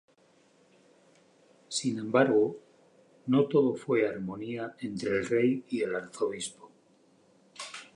Sin embargo, no todo fue armonía entre el rey y el arzobispo.